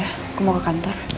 aku mau ke kantor